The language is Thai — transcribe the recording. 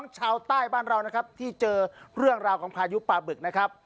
สวัสดีค่ะ